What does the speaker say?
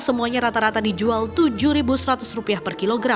semuanya rata rata dijual tujuh seratus rupiah per kilogram